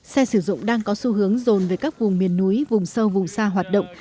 xe sử dụng đang có xu hướng rồn về các vùng miền núi vùng sâu vùng xa hoạt động